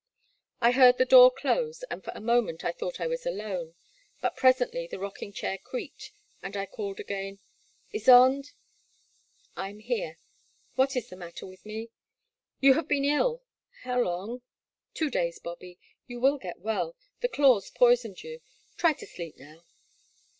I heard the door dose, and for a moment I thought I was alone, but presently the rocking chair creaked, and I called again: Ysonde." *' I am here." What is the matter with me ?"You have been ill." How long?'* Two days, Bobby. You will get well — ^the daws poisoned you. Try to sleep now."